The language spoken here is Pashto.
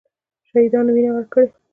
شهیدانو وینه ورکړې.